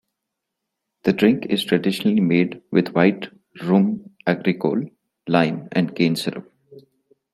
The drink is traditionally made with white rhum agricole, lime, and cane syrup.